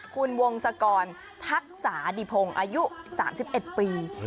คุณวงศกรทักษาดิพงศ์อายุ๓๑ปี